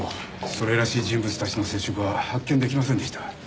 それらしい人物たちの接触は発見出来ませんでした。